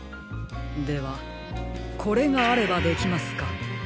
ではこれがあればできますか？